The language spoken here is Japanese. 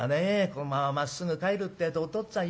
このまままっすぐ帰るってえとおとっつぁん喜ぶよ。